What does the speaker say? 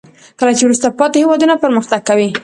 کله چې وروسته پاتې هیوادونه پرمختګ کوي.